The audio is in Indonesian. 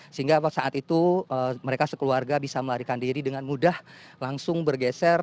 sehingga saat itu mereka sekeluarga bisa melarikan diri dengan mudah langsung bergeser